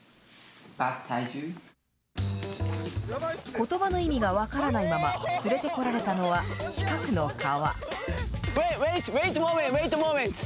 ことばの意味が分からないまま、連れてこられたのは、近くの川。